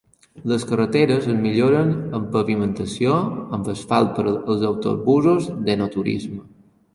Les carreteres es milloren amb pavimentació amb asfalt per als autobusos d'enoturisme.